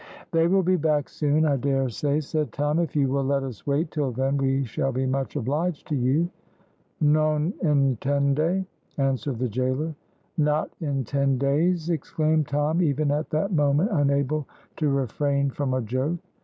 "They will be back soon, I dare say," said Tom. "If you will let us wait till then we shall be much obliged to you." "Non intende," answered the gaoler. "Not in ten days!" exclaimed Tom, even at that moment unable to refrain from a joke.